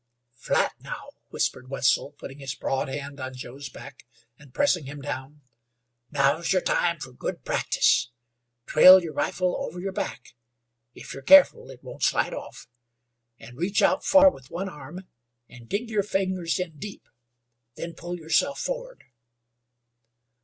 "Flat now," whispered Wetzel, putting his broad hand on Joe's back and pressing him down. "Now's yer time fer good practice. Trail yer rifle over yer back if yer careful it won't slide off an' reach out far with one arm an' dig yer fingers in deep. Then pull yerself forrard."